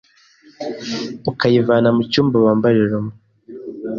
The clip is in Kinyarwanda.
ukayivana mu cyumba bambariramo